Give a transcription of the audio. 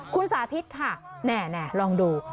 คุณสาธิตค่ะแน่ลองดู